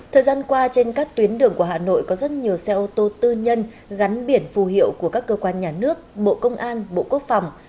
thời gian qua trên các tuyến đường của hà nội có rất nhiều xe ô tô tư nhân gắn biển phù hiệu của các cơ quan nhà nước bộ công an bộ quốc phòng